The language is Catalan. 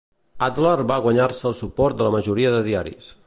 Adler va guanyar-se el suport de la majoria de diaris.